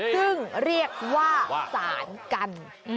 ซึ่งเรียกว่าสารกัน